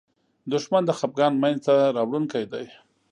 دښمن د خپګان مینځ ته راوړونکی دی